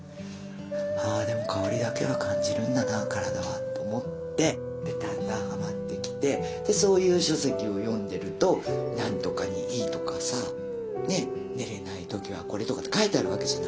「あでも香りだけは感じるんだな体は」と思ってでだんだんはまってきてそういう書籍を読んでるとなんとかにいいとかさ寝れない時はこれとか書いてあるわけじゃない。